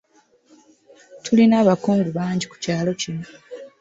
Tulina abakungu bangi ku kyalo kino.